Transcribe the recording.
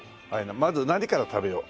まず何から食べよう？